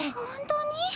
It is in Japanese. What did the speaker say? ほんとに？